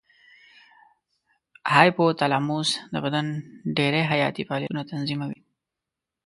هایپو تلاموس د بدن ډېری حیاتي فعالیتونه تنظیموي.